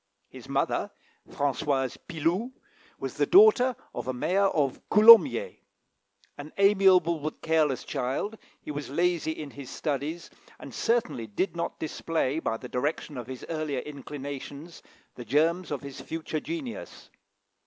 His mother, Françoise Piloux, was the daughter of a mayor of Coulommiers. An amiable but careless child, he was lazy in his studies, and certainly did not display, by the direction of his earlier inclinations, the germs of his future genius.